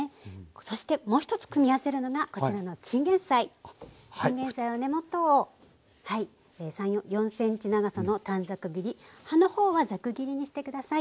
そしてもう一つ組み合わせるのがこちらのチンゲンサイの根元を３４ｃｍ長さの短冊切り葉の方はザク切りにして下さい。